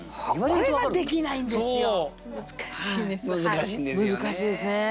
難しいんですよね。